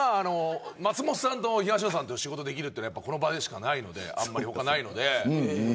松本さんと東野さんと仕事ができるのはこの場でしかないのであんまり他はないので。